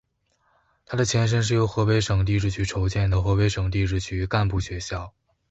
他的前身是由河北省地质局筹建的河北省地质局干部学校。